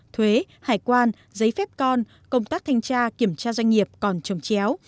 thuế hải quan giấy phép con công tác thanh tra kiểm tra doanh nghiệp còn trồng chéo